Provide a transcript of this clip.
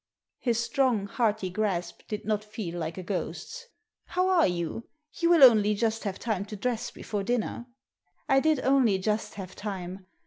His strong, hearty grasp did not feel like a ghost's. How are you ? You will only just have time to dress before dinner." I did only just have time.